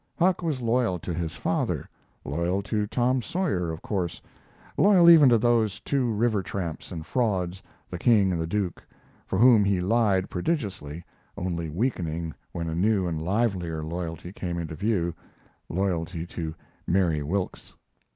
Huck was loyal to his father, loyal to Tom Sawyer of course, loyal even to those two river tramps and frauds, the King and the Duke, for whom he lied prodigiously, only weakening when a new and livelier loyalty came into view loyalty to Mary Wilks.